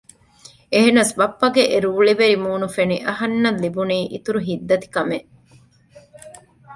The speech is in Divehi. އެހެންނަސް ބައްޕަގެ އެ ރުޅިވެރި މޫނު ފެނި އަހަންނަށް ލިބުނީ އިތުރު ހިތްދަތިކަމެއް